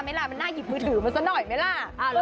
ล่ะมันน่าหยิบมือถือมาสักหน่อยไหมล่ะ